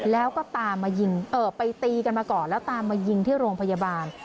แล้วก็ตามมายิงไปตีกันมาก่อนแล้วตามมายิงที่โรงพยาบาล